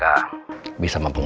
ibu sudah pulang